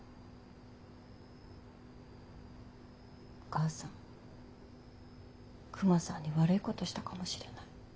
お母さんクマさんに悪いことしたかもしれない。